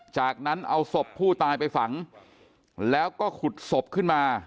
จากนั้นเอาศพผู้ตายไปฝังแล้วก็ขุดศพขึ้นมา